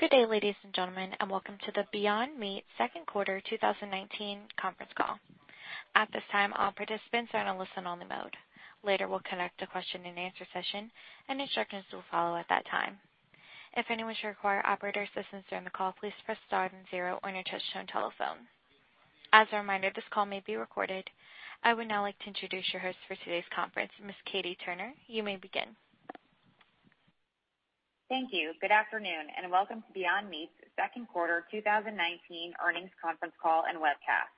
Good day, ladies and gentlemen, and welcome to the Beyond Meat second quarter 2019 conference call. At this time, all participants are in a listen-only mode. Later, we'll conduct a question and answer session, and instructions will follow at that time. If anyone should require operator assistance during the call, please press star and zero on your touch-tone telephone. As a reminder, this call may be recorded. I would now like to introduce your host for today's conference, Ms. Katie Turner. You may begin. Thank you. Good afternoon, and welcome to Beyond Meat's second quarter 2019 earnings conference call and webcast.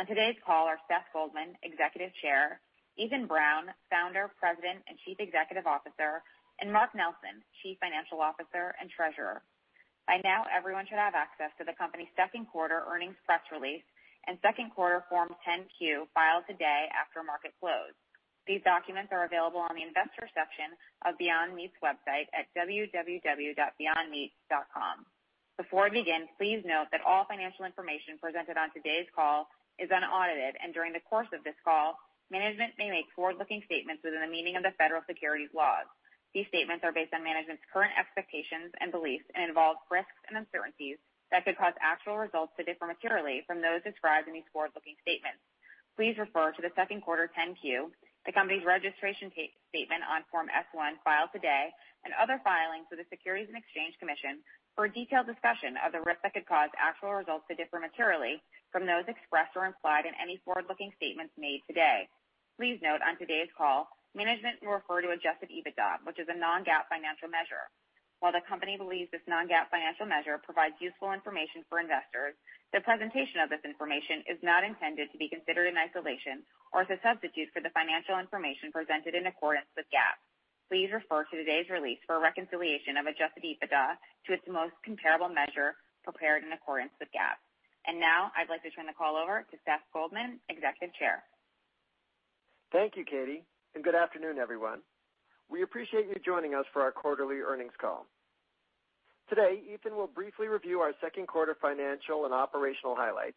On today's call are Seth Goldman, Executive Chair, Ethan Brown, Founder, President, and Chief Executive Officer, and Mark Nelson, Chief Financial Officer and Treasurer. By now, everyone should have access to the company's second quarter earnings press release and second quarter Form 10-Q filed today after market close. These documents are available on the Investors section of Beyond Meat's website at www.beyondmeat.com. Before we begin, please note that all financial information presented on today's call is unaudited, and during the course of this call, management may make forward-looking statements within the meaning of the federal securities laws. These statements are based on management's current expectations and beliefs and involve risks and uncertainties that could cause actual results to differ materially from those described in these forward-looking statements. Please refer to the second quarter 10-Q, the company's registration statement on Form S-1 filed today, and other filings with the Securities and Exchange Commission for a detailed discussion of the risks that could cause actual results to differ materially from those expressed or implied in any forward-looking statements made today. Please note, on today's call, management will refer to adjusted EBITDA, which is a non-GAAP financial measure. While the company believes this non-GAAP financial measure provides useful information for investors, the presentation of this information is not intended to be considered in isolation or as a substitute for the financial information presented in accordance with GAAP. Please refer to today's release for a reconciliation of adjusted EBITDA to its most comparable measure prepared in accordance with GAAP. Now I'd like to turn the call over to Seth Goldman, Executive Chair. Thank you, Katie, and good afternoon, everyone. We appreciate you joining us for our quarterly earnings call. Today, Ethan will briefly review our second quarter financial and operational highlights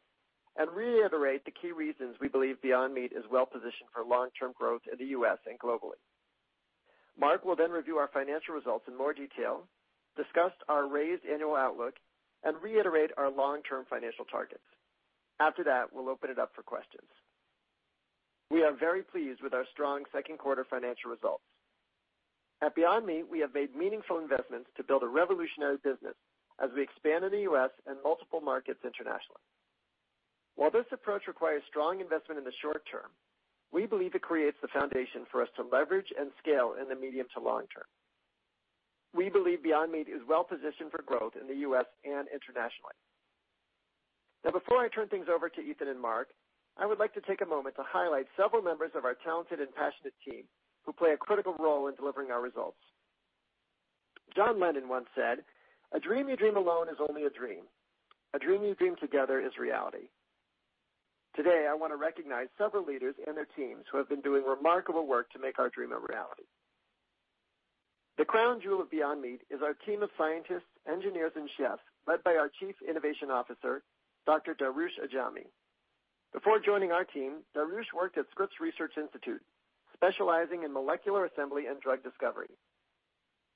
and reiterate the key reasons we believe Beyond Meat is well-positioned for long-term growth in the U.S. and globally. Mark will review our financial results in more detail, discuss our raised annual outlook, and reiterate our long-term financial targets. After that, we'll open it up for questions. We are very pleased with our strong second quarter financial results. At Beyond Meat, we have made meaningful investments to build a revolutionary business as we expand in the U.S. and multiple markets internationally. While this approach requires strong investment in the short term, we believe it creates the foundation for us to leverage and scale in the medium to long term. We believe Beyond Meat is well-positioned for growth in the U.S. and internationally. Now, before I turn things over to Ethan and Mark, I would like to take a moment to highlight several members of our talented and passionate team who play a critical role in delivering our results. John Lennon once said, "A dream you dream alone is only a dream. A dream you dream together is reality." Today, I want to recognize several leaders and their teams who have been doing remarkable work to make our dream a reality. The crown jewel of Beyond Meat is our team of scientists, engineers, and chefs, led by our Chief Innovation Officer, Dr. Darush Ajami. Before joining our team, Darush worked at Scripps Research Institute, specializing in molecular assembly and drug discovery.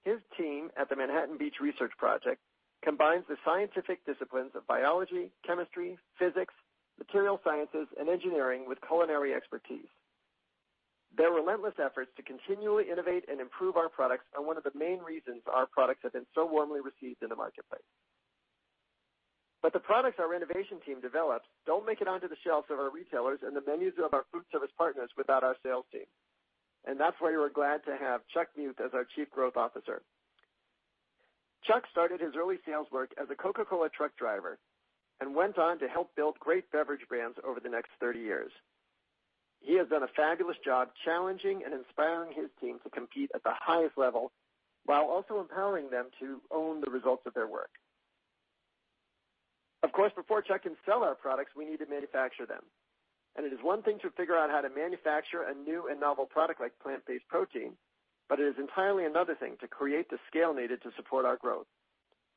His team at the Manhattan Beach Project combines the scientific disciplines of biology, chemistry, physics, material sciences, and engineering with culinary expertise. Their relentless efforts to continually innovate and improve our products are one of the main reasons our products have been so warmly received in the marketplace. The products our innovation team develops don't make it onto the shelves of our retailers and the menus of our food service partners without our sales team, and that's why we're glad to have Chuck Muth as our Chief Growth Officer. Chuck started his early sales work as a Coca-Cola truck driver and went on to help build great beverage brands over the next 30 years. He has done a fabulous job challenging and inspiring his team to compete at the highest level while also empowering them to own the results of their work. Before Chuck can sell our products, we need to manufacture them. It is one thing to figure out how to manufacture a new and novel product like plant-based protein, but it is entirely another thing to create the scale needed to support our growth,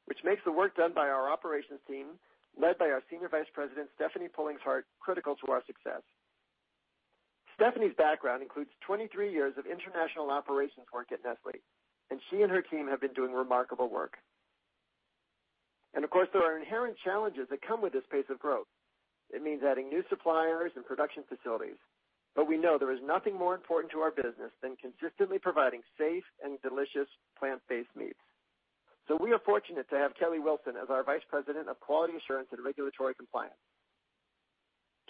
which makes the work done by our operations team, led by our Senior Vice President, Stephanie Pullings Hart, critical to our success. Stephanie's background includes 23 years of international operations work at Nestlé. She and her team have been doing remarkable work. Of course, there are inherent challenges that come with this pace of growth. It means adding new suppliers and production facilities. We know there is nothing more important to our business than consistently providing safe and delicious plant-based meats. We are fortunate to have Kelli Wilson as our Vice President of Quality Assurance and Regulatory Compliance.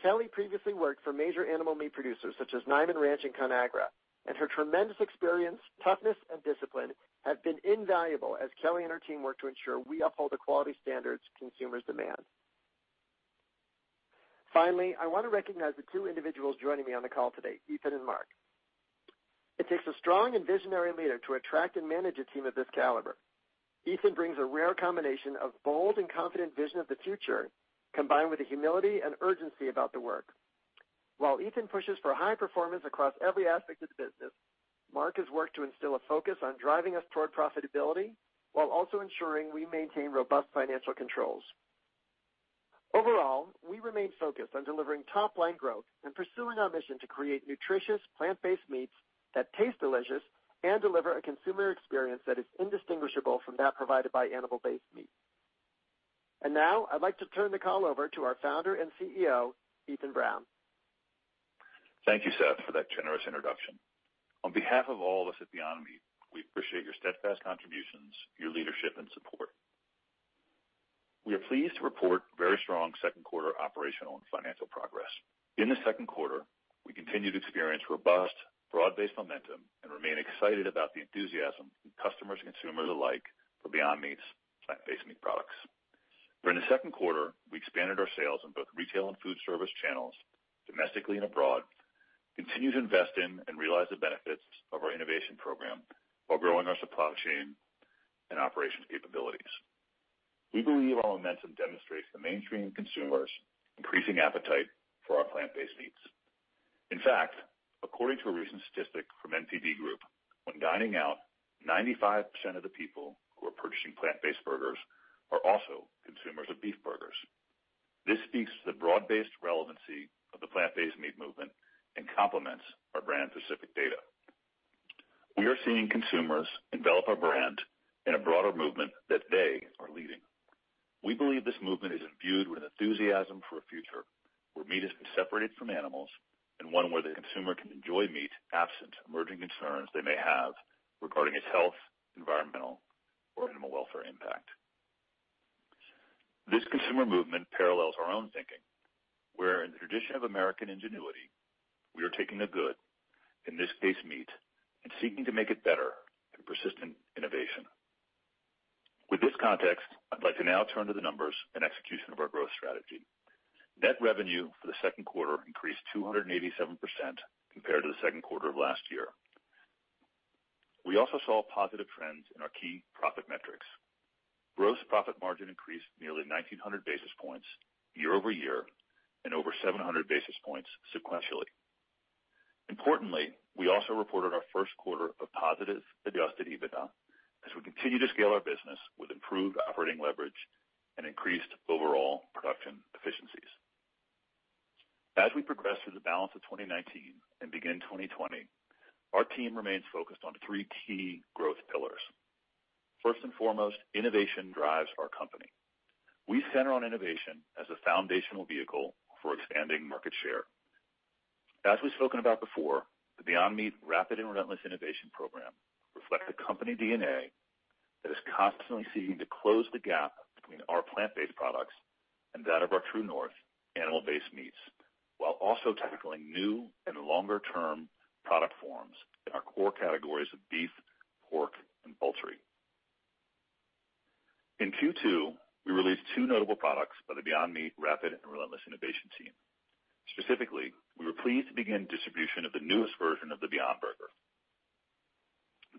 Kelli previously worked for major animal meat producers such as Niman Ranch and Conagra, and her tremendous experience, toughness, and discipline have been invaluable as Kelli and her team work to ensure we uphold the quality standards consumers demand. Finally, I want to recognize the two individuals joining me on the call today, Ethan and Mark. It takes a strong and visionary leader to attract and manage a team of this caliber. Ethan brings a rare combination of bold and confident vision of the future, combined with a humility and urgency about the work. While Ethan pushes for high performance across every aspect of the business, Mark has worked to instill a focus on driving us toward profitability while also ensuring we maintain robust financial controls. Overall, we remain focused on delivering top-line growth and pursuing our mission to create nutritious plant-based meats that taste delicious and deliver a consumer experience that is indistinguishable from that provided by animal-based meat. Now I'd like to turn the call over to our Founder and CEO, Ethan Brown. Thank you, Seth, for that generous introduction. On behalf of all of us at Beyond Meat, we appreciate your steadfast contributions, your leadership, and support. We are pleased to report very strong second quarter operational and financial progress. In the second quarter, we continued to experience robust broad-based momentum and remain excited about the enthusiasm from customers and consumers alike for Beyond Meat's plant-based meat products. During the second quarter, we expanded our sales in both retail and food service channels, domestically and abroad, continued to invest in and realize the benefits of our innovation program, while growing our supply chain and operations capabilities. We believe our momentum demonstrates the mainstream consumers' increasing appetite for our plant-based meats. In fact, according to a recent statistic from NPD Group, when dining out, 95% of the people who are purchasing plant-based burgers are also consumers of beef burgers. This speaks to the broad-based relevancy of the plant-based meat movement and complements our brand-specific data. We are seeing consumers envelop our brand in a broader movement that they are leading. We believe this movement is imbued with enthusiasm for a future where meat is separated from animals and one where the consumer can enjoy meat absent emerging concerns they may have regarding its health, environmental, or animal welfare impact. This consumer movement parallels our own thinking, where in the tradition of American ingenuity, we are taking the good, in this case meat, and seeking to make it better through persistent innovation. With this context, I'd like to now turn to the numbers and execution of our growth strategy. Net revenue for the second quarter increased 287% compared to the second quarter of last year. We also saw positive trends in our key profit metrics. Gross profit margin increased nearly 1,900 basis points year-over-year and over 700 basis points sequentially. Importantly, we also reported our first quarter of positive adjusted EBITDA as we continue to scale our business with improved operating leverage and increased overall production efficiencies. As we progress through the balance of 2019 and begin 2020, our team remains focused on three key growth pillars. First and foremost, innovation drives our company. We center on innovation as a foundational vehicle for expanding market share. As we've spoken about before, the Beyond Meat rapid and relentless innovation program reflects the company DNA that is constantly seeking to close the gap between our plant-based products and that of our true north animal-based meats, while also tackling new and longer-term product forms in our core categories of beef, pork, and poultry. In Q2, we released two notable products by the Beyond Meat rapid and relentless innovation team. Specifically, we were pleased to begin distribution of the newest version of the Beyond Burger.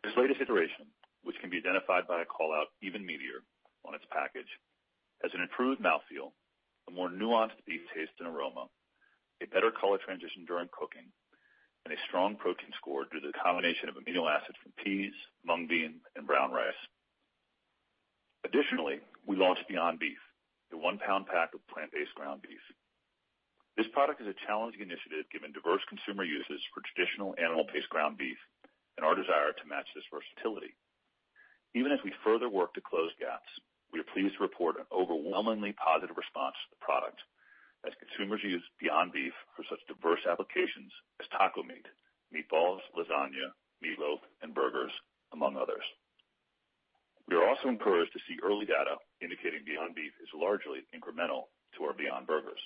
This latest iteration, which can be identified by a call-out, Even Meatier, on its package, has an improved mouthfeel, a more nuanced beef taste and aroma, a better color transition during cooking, and a strong protein score due to the combination of amino acids from peas, mung bean, and brown rice. Additionally, we launched Beyond Beef, the 1 pound pack of plant-based ground beef. This product is a challenging initiative given diverse consumer uses for traditional animal-based ground beef and our desire to match this versatility. Even as we further work to close gaps, we are pleased to report an overwhelmingly positive response to the product as consumers use Beyond Beef for such diverse applications as taco meat, meatballs, lasagna, meatloaf, and burgers, among others. We are also encouraged to see early data indicating Beyond Beef is largely incremental to our Beyond Burgers.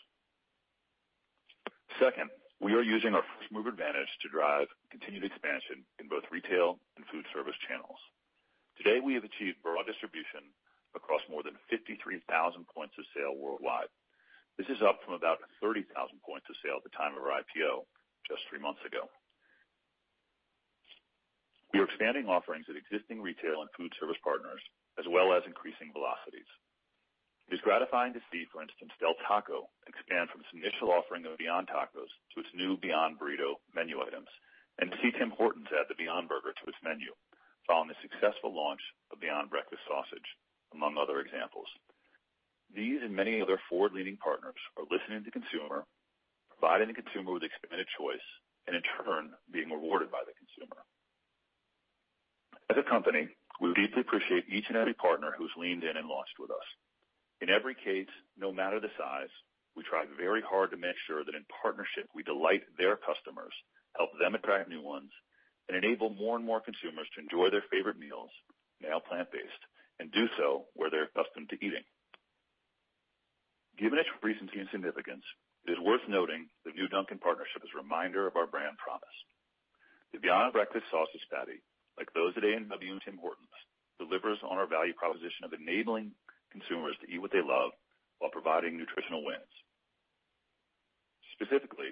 Second, we are using our first-mover advantage to drive continued expansion in both retail and food service channels. Today, we have achieved broad distribution across more than 53,000 points of sale worldwide. This is up from about 30,000 points of sale at the time of our IPO just three months ago. We are expanding offerings at existing retail and food service partners, as well as increasing velocities. It is gratifying to see, for instance, Del Taco expand from its initial offering of Beyond Tacos to its new Beyond Burrito menu items, and to see Tim Hortons add the Beyond Burger to its menu following the successful launch of Beyond Breakfast Sausage, among other examples. These and many other forward-leaning partners are listening to consumer, providing the consumer with expanded choice, and in turn, being rewarded by the consumer. As a company, we deeply appreciate each and every partner who has leaned in and launched with us. In every case, no matter the size, we try very hard to make sure that in partnership, we delight their customers, help them attract new ones, and enable more and more consumers to enjoy their favorite meals, now plant-based, and do so where they're accustomed to eating. Given its recency and significance, it is worth noting the new Dunkin' partnership as a reminder of our brand promise. The Beyond Breakfast Sausage Patty, like those at A&W and Tim Hortons, delivers on our value proposition of enabling consumers to eat what they love while providing nutritional wins. Specifically,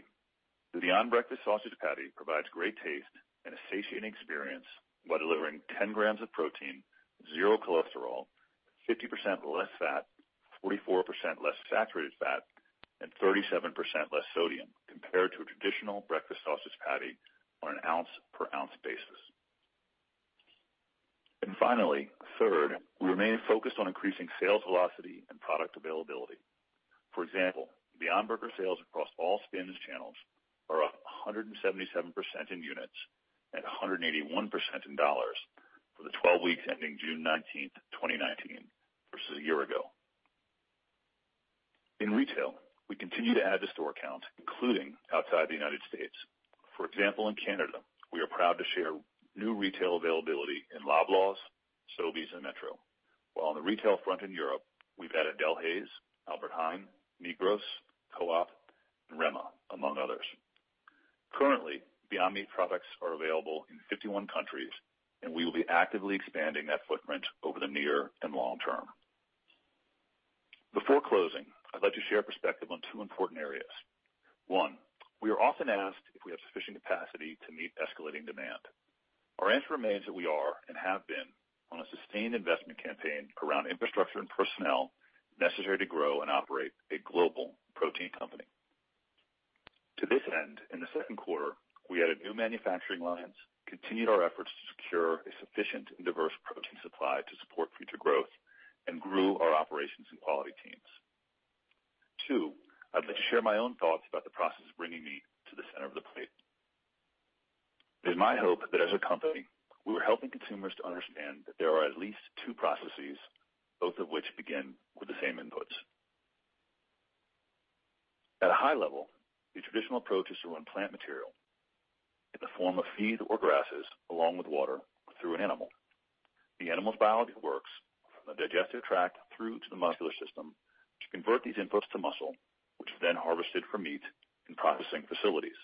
the Beyond Breakfast Sausage Patty provides great taste and a satiating experience while delivering 10 grams of protein, zero cholesterol, 50% less fat, 44% less saturated fat, and 37% less sodium compared to a traditional breakfast sausage patty on an ounce per ounce basis. Finally, third, we remain focused on increasing sales velocity and product availability. For example, Beyond Burger sales across all SPINS channels are up 177% in units and 181% in dollars for the 12 weeks ending June 19th, 2019 versus a year ago. In retail, we continue to add to store count, including outside the U.S. For example, in Canada, we are proud to share new retail availability in Loblaws, Sobeys, and Metro, while on the retail front in Europe, we've added Delhaize, Albert Heijn, Migros, Coop, and Rema, among others. Currently, Beyond Meat products are available in 51 countries. We will be actively expanding that footprint over the near and long term. Before closing, I'd like to share a perspective on two important areas. One, we are often asked if we have sufficient capacity to meet escalating demand. Our answer remains that we are, and have been, on a sustained investment campaign around infrastructure and personnel necessary to grow and operate a global protein company. To this end, in the second quarter, we added new manufacturing lines, continued our efforts to secure a sufficient and diverse protein supply to support future growth, and grew our operations and quality teams. Two, I'd like to share my own thoughts about the process of bringing meat to the center of the plate. It is my hope that as a company, we are helping consumers to understand that there are at least two processes, both of which begin with the same inputs. At a high level, the traditional approach is to run plant material in the form of feed or grasses, along with water, through an animal. The animal's biology works from the digestive tract through to the muscular system to convert these inputs to muscle, which is then harvested for meat in processing facilities.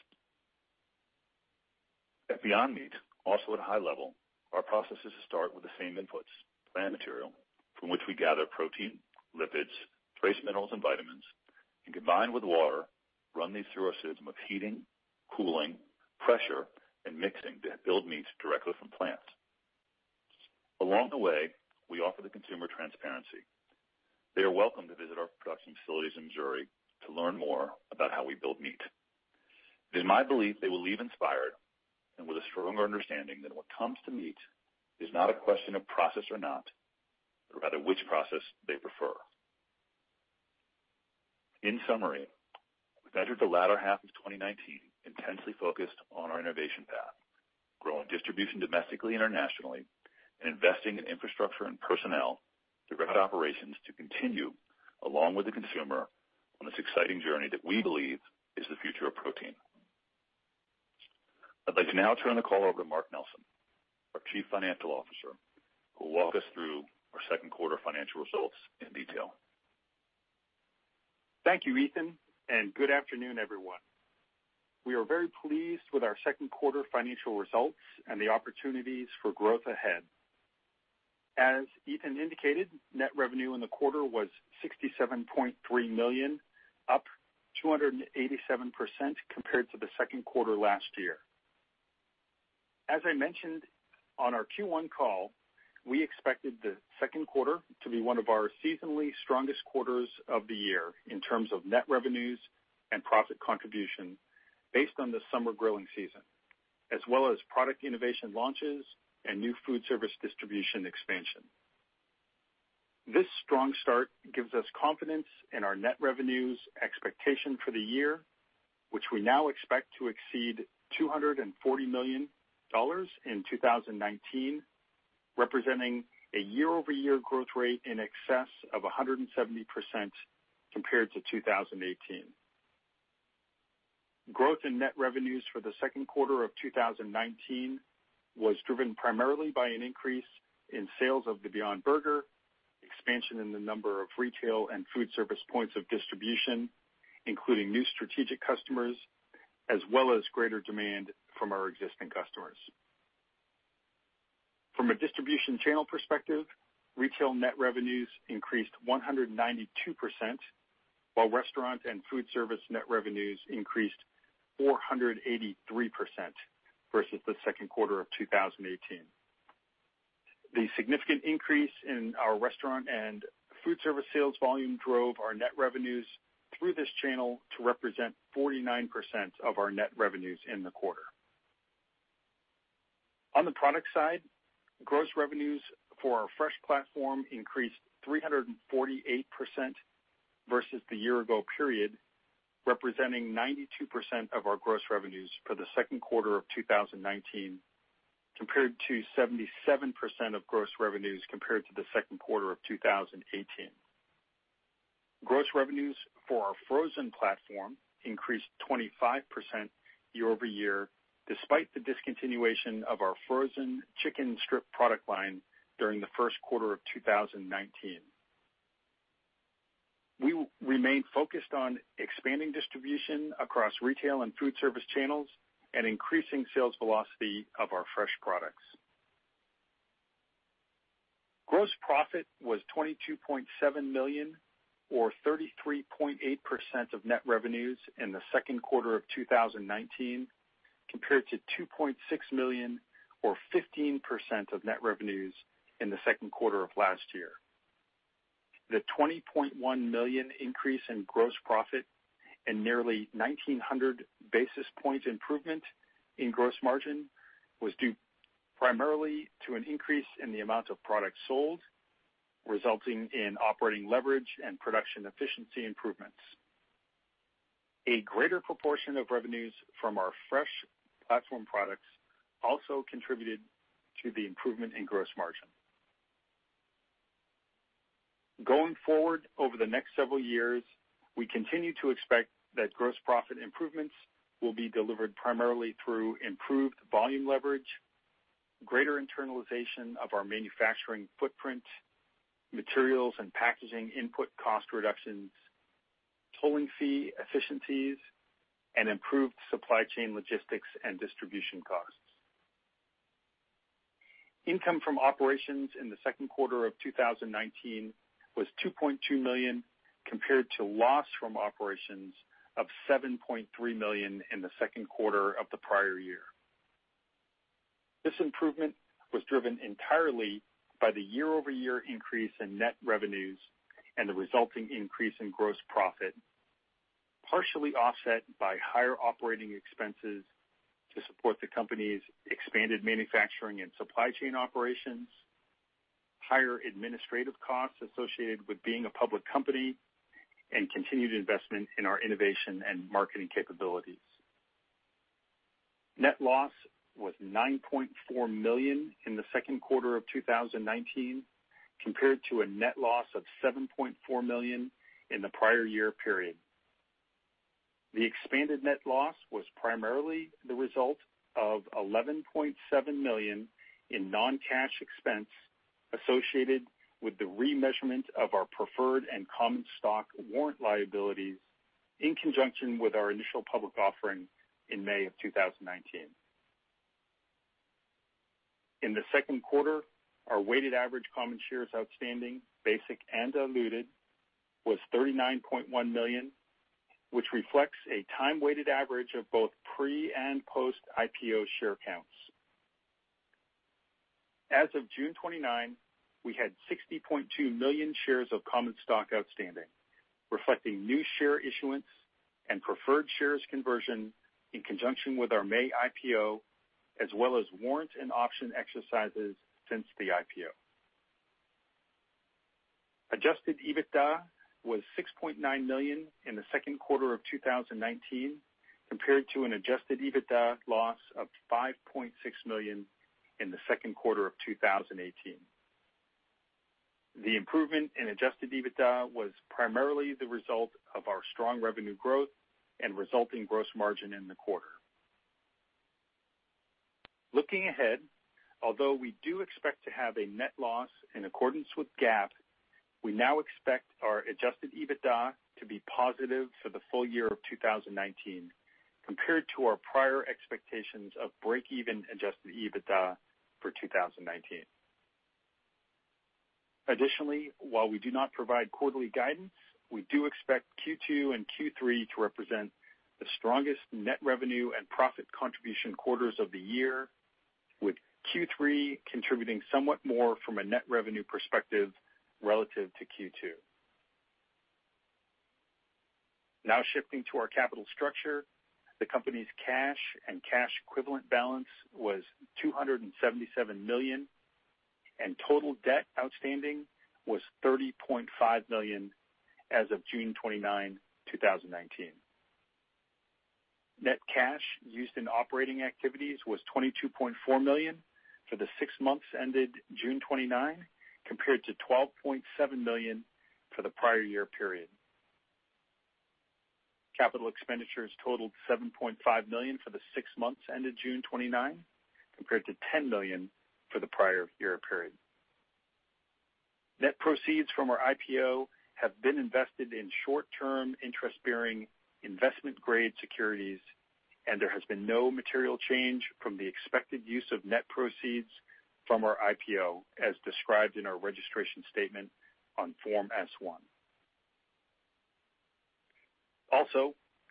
At Beyond Meat, also at a high level, our processes start with the same inputs, plant material, from which we gather protein, lipids, trace minerals, and vitamins, and combine with water, run these through a system of heating, cooling, pressure, and mixing to build meats directly from plants. Along the way, we offer the consumer transparency. They are welcome to visit our production facilities in Missouri to learn more about how we build meat. It is my belief they will leave inspired and with a stronger understanding that what comes to meat is not a question of process or not, but rather which process they prefer. In summary, we've entered the latter half of 2019 intensely focused on our innovation path, growing distribution domestically and internationally, and investing in infrastructure and personnel to run operations to continue along with the consumer on this exciting journey that we believe is the future of protein. I'd like to now turn the call over to Mark Nelson, our Chief Financial Officer, who will walk us through our second quarter financial results in detail. Thank you, Ethan, and good afternoon, everyone. We are very pleased with our second quarter financial results and the opportunities for growth ahead. As Ethan indicated, net revenue in the quarter was $67.3 million, up 287% compared to the second quarter last year. As I mentioned on our Q1 call, we expected the second quarter to be one of our seasonally strongest quarters of the year in terms of net revenues and profit contribution based on the summer grilling season, as well as product innovation launches and new food service distribution expansion. This strong start gives us confidence in our net revenues expectation for the year, which we now expect to exceed $240 million in 2019, representing a year-over-year growth rate in excess of 170% compared to 2018. Growth in net revenues for the second quarter of 2019 was driven primarily by an increase in sales of the Beyond Burger, expansion in the number of retail and food service points of distribution, including new strategic customers, as well as greater demand from our existing customers. From a distribution channel perspective, retail net revenues increased 192%, while restaurant and food service net revenues increased 483% versus the second quarter of 2018. The significant increase in our restaurant and food service sales volume drove our net revenues through this channel to represent 49% of our net revenues in the quarter. On the product side, gross revenues for our fresh platform increased 348% versus the year ago period, representing 92% of our gross revenues for the second quarter of 2019, compared to 77% of gross revenues compared to the second quarter of 2018. Gross revenues for our frozen platform increased 25% year-over-year, despite the discontinuation of our frozen chicken strip product line during the first quarter of 2019. We remain focused on expanding distribution across retail and food service channels and increasing sales velocity of our fresh products. Gross profit was $22.7 million or 33.8% of net revenues in the second quarter of 2019, compared to $2.6 million or 15% of net revenues in the second quarter of last year. The $20.1 million increase in gross profit and nearly 1,900 basis point improvement in gross margin was due primarily to an increase in the amount of products sold, resulting in operating leverage and production efficiency improvements. A greater proportion of revenues from our fresh platform products also contributed to the improvement in gross margin. Going forward, over the next several years, we continue to expect that gross profit improvements will be delivered primarily through improved volume leverage, greater internalization of our manufacturing footprint, materials and packaging input cost reductions, tolling fee efficiencies, and improved supply chain logistics and distribution costs. Income from operations in the second quarter of 2019 was $2.2 million, compared to loss from operations of $7.3 million in the second quarter of the prior year. This improvement was driven entirely by the year-over-year increase in net revenues and the resulting increase in gross profit, partially offset by higher operating expenses to support the company's expanded manufacturing and supply chain operations, higher administrative costs associated with being a public company, and continued investment in our innovation and marketing capabilities. Net loss was $9.4 million in the second quarter of 2019, compared to a net loss of $7.4 million in the prior year period. The expanded net loss was primarily the result of $11.7 million in non-cash expense associated with the remeasurement of our preferred and common stock warrant liabilities in conjunction with our initial public offering in May of 2019. In the second quarter, our weighted average common shares outstanding, basic and diluted, was 39.1 million, which reflects a time-weighted average of both pre and post-IPO share counts. As of June 29, we had 60.2 million shares of common stock outstanding, reflecting new share issuance and preferred shares conversion in conjunction with our May IPO, as well as warrant and option exercises since the IPO. Adjusted EBITDA was $6.9 million in the second quarter of 2019 compared to an adjusted EBITDA loss of $5.6 million in the second quarter of 2018. The improvement in adjusted EBITDA was primarily the result of our strong revenue growth and resulting gross margin in the quarter. Looking ahead, although we do expect to have a net loss in accordance with GAAP, we now expect our adjusted EBITDA to be positive for the full year of 2019 compared to our prior expectations of break-even adjusted EBITDA for 2019. Additionally, while we do not provide quarterly guidance, we do expect Q2 and Q3 to represent the strongest net revenue and profit contribution quarters of the year, with Q3 contributing somewhat more from a net revenue perspective relative to Q2. Shifting to our capital structure, the company's cash and cash equivalent balance was $277 million, and total debt outstanding was $30.5 million as of June 29, 2019. Net cash used in operating activities was $22.4 million for the six months ended June 29, compared to $12.7 million for the prior year period. Capital expenditures totaled $7.5 million for the six months ended June 29, compared to $10 million for the prior year period. Net proceeds from our IPO have been invested in short-term interest-bearing investment-grade securities, and there has been no material change from the expected use of net proceeds from our IPO as described in our registration statement on Form S-1.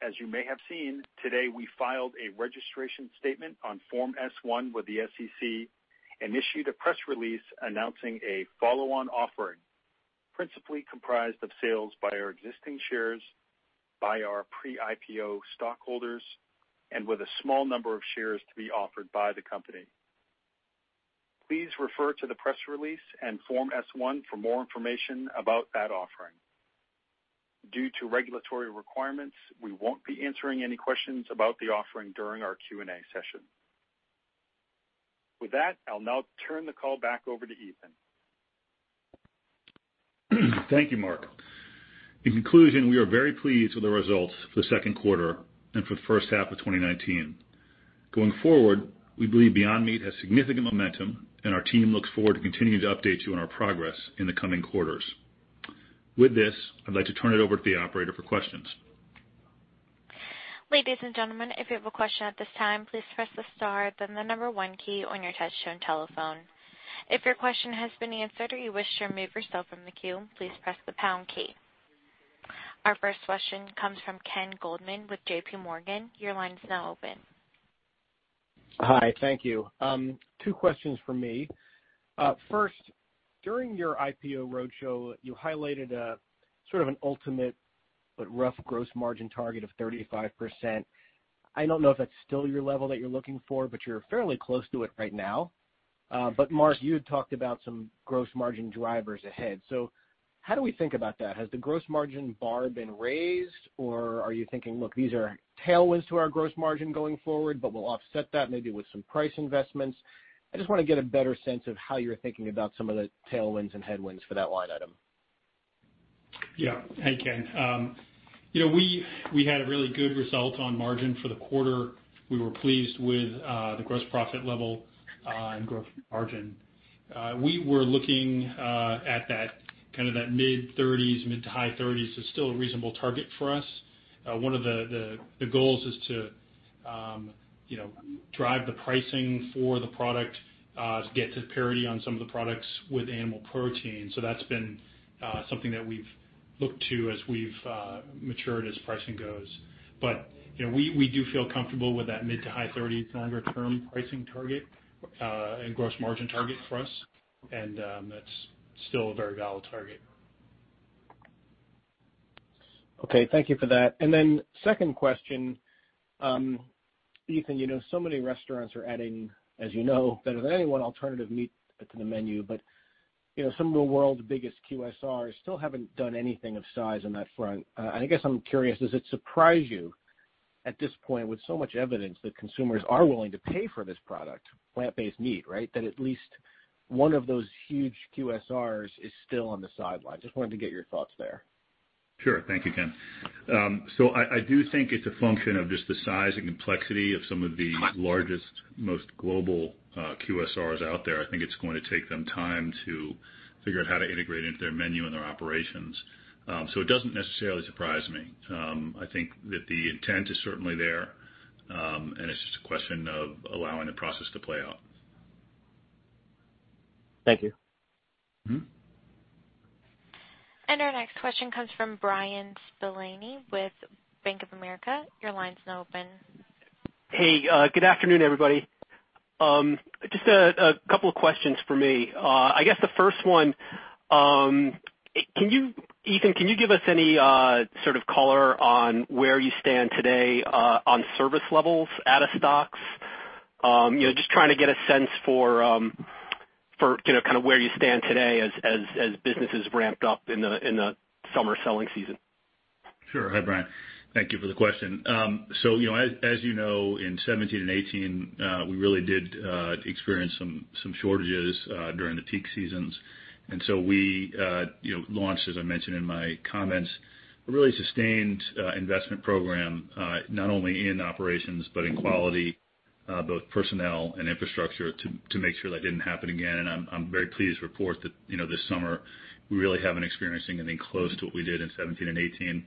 As you may have seen, today we filed a registration statement on Form S-1 with the SEC and issued a press release announcing a follow-on offering, principally comprised of sales by our existing shares by our pre-IPO stockholders and with a small number of shares to be offered by the company. Please refer to the press release and Form S-1 for more information about that offering. Due to regulatory requirements, we won't be answering any questions about the offering during our Q&A session. I'll now turn the call back over to Ethan. Thank you, Mark. In conclusion, we are very pleased with the results for the second quarter and for the first half of 2019. Going forward, we believe Beyond Meat has significant momentum and our team looks forward to continuing to update you on our progress in the coming quarters. With this, I'd like to turn it over to the operator for questions. Ladies and gentlemen, if you have a question at this time, please press the star, then the number 1 key on your touch-tone telephone. If your question has been answered or you wish to remove yourself from the queue, please press the pound key. Our first question comes from Ken Goldman with JPMorgan. Your line's now open. Hi, thank you. Two questions from me. First, during your IPO roadshow, you highlighted an ultimate but rough gross margin target of 35%. I don't know if that's still your level that you're looking for, but you're fairly close to it right now. Mark, you had talked about some gross margin drivers ahead. How do we think about that? Has the gross margin bar been raised, or are you thinking, "Look, these are tailwinds to our gross margin going forward, but we'll offset that maybe with some price investments"? I just want to get a better sense of how you're thinking about some of the tailwinds and headwinds for that line item. Yeah. Hey, Ken. We had a really good result on margin for the quarter. We were pleased with the gross profit level and gross margin. We were looking at that mid-30s, mid-to-high 30s as still a reasonable target for us. One of the goals is to drive the pricing for the product to get to parity on some of the products with animal protein. That's been something that we've looked to as we've matured, as pricing goes. We do feel comfortable with that mid-to-high 30s longer-term pricing target and gross margin target for us. That's still a very valid target. Okay. Thank you for that. Then second question. Ethan, many restaurants are adding, as you know, better than any one alternative meat to the menu. Some of the world's biggest QSRs still haven't done anything of size on that front. I guess I'm curious, does it surprise you at this point, with so much evidence that consumers are willing to pay for this product, plant-based meat, that at least one of those huge QSRs is still on the sideline? Just wanted to get your thoughts there. Sure. Thank you, Ken. I do think it's a function of just the size and complexity of some of the largest, most global QSRs out there. I think it's going to take them time to figure out how to integrate into their menu and their operations. It doesn't necessarily surprise me. I think that the intent is certainly there, and it's just a question of allowing the process to play out. Thank you. Our next question comes from Bryan Spillane with Bank of America. Your line's now open. Hey, good afternoon, everybody. Just a couple of questions from me. I guess the first one, Ethan, can you give us any sort of color on where you stand today on service levels out of stocks? Just trying to get a sense for where you stand today as businesses ramped up in the summer selling season. Sure. Hi, Bryan. Thank you for the question. As you know, in 2017 and 2018, we really did experience some shortages during the peak seasons. We launched, as I mentioned in my comments, a really sustained investment program, not only in operations but in quality, both personnel and infrastructure, to make sure that didn't happen again. I'm very pleased to report that this summer, we really haven't experienced anything close to what we did in 2017 and 2018.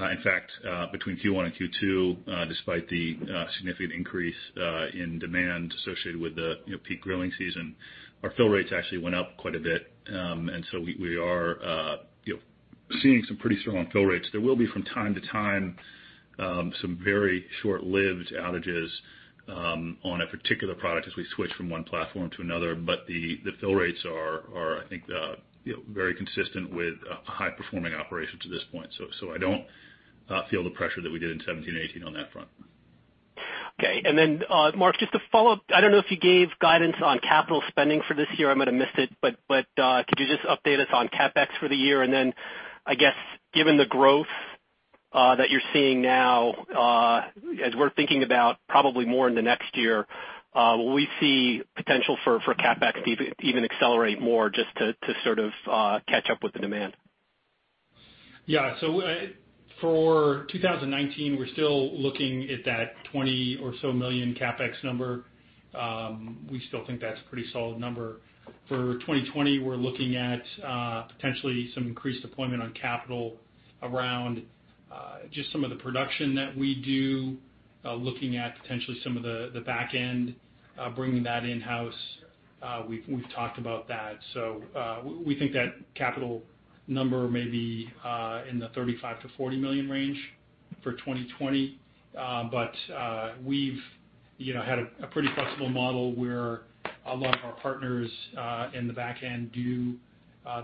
In fact, between Q1 and Q2, despite the significant increase in demand associated with the peak grilling season, our fill rates actually went up quite a bit. We are seeing some pretty strong fill rates. There will be from time to time, some very short-lived outages on a particular product as we switch from one platform to another. The fill rates are, I think, very consistent with a high-performing operation to this point. I don't feel the pressure that we did in 2017 and 2018 on that front. Okay. Mark, just to follow up, I don't know if you gave guidance on capital spending for this year. I might have missed it, but could you just update us on CapEx for the year? I guess, given the growth that you're seeing now, as we're thinking about probably more in the next year, will we see potential for CapEx to even accelerate more just to sort of catch up with the demand? Yeah. For 2019, we're still looking at that $20 or so million CapEx number. We still think that's a pretty solid number. For 2020, we're looking at potentially some increased deployment on capital around just some of the production that we do, looking at potentially some of the back end, bringing that in-house. We've talked about that. We think that capital number may be in the $35 million-$40 million range for 2020. We've had a pretty flexible model where a lot of our partners in the back end do